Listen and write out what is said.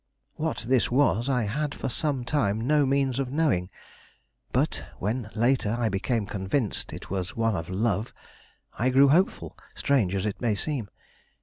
What this was, I had for some time no means of knowing. But when later I became convinced it was one of love, I grew hopeful, strange as it may seem.